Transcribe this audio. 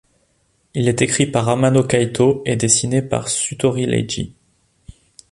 Il est écrit par Amano Kaito et dessiné par Sutori Leiji.